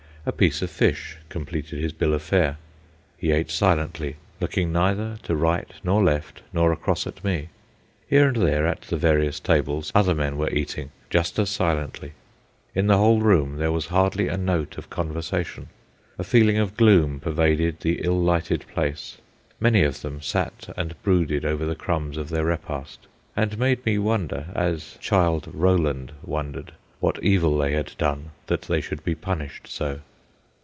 A piece of fish completed his bill of fare. He ate silently, looking neither to right nor left nor across at me. Here and there, at the various tables, other men were eating, just as silently. In the whole room there was hardly a note of conversation. A feeling of gloom pervaded the ill lighted place. Many of them sat and brooded over the crumbs of their repast, and made me wonder, as Childe Roland wondered, what evil they had done that they should be punished so.